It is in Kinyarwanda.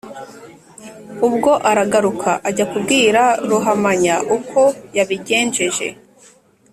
ubwo aragaruka ajya kubwira ruhamanya uko yabigenjeje.